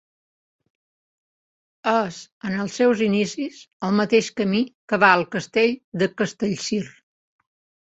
És, en els seus inicis, el mateix camí que va al Castell de Castellcir.